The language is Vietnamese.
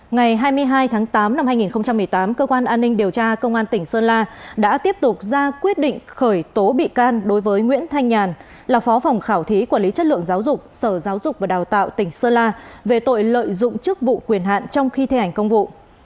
ngày hai mươi hai tháng tám năm hai nghìn một mươi tám cơ quan an ninh điều tra công an tỉnh sơn la đã tiếp tục ra quyết định khởi tố bị can đối với nguyễn thanh nhàn là phó phòng khảo thí quản lý chất lượng giáo dục sở giáo dục và đào tạo tỉnh sơn la về tội lợi dụng chức vụ quyền hạn trong khi thi hành công vụ